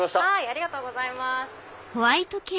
ありがとうございます。